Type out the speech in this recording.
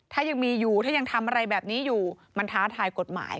ถ้ายังมีอยู่ถ้ายังทำอะไรแบบนี้อยู่มันท้าทายกฎหมาย